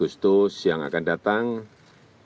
kita benar benar akan berjalan dengan baik